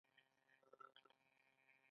انجنیر باید څنګه وي؟